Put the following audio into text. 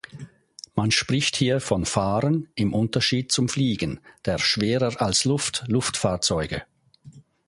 Man spricht hier von „Fahren“ im Unterschied zum „Fliegen“ der „Schwerer-als-Luft“-Luftfahrzeuge.